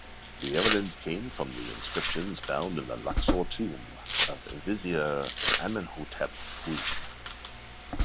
The evidence came from the inscriptions found in the Luxor tomb of Vizier Amenhotep-Huy.